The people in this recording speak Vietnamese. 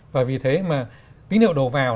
và vì thế mà tín hiệu đồ vào